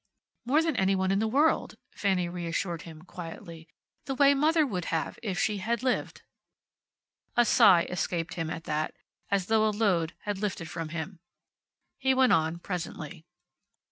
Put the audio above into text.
"More than any one in the world," Fanny reassured him, quietly. "The way mother would have, if she had lived." A sigh escaped him, at that, as though a load had lifted from him. He went on, presently.